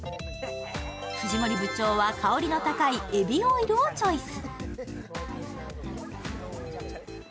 藤森部長は香りの高いエビオイルをチョイス。